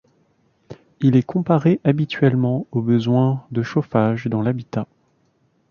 Il est comparé habituellement au besoin de chauffage dans l'habitat.